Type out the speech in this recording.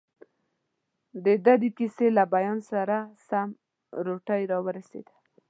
دده د کیسې له بیان سره سم، روټۍ راورسېده.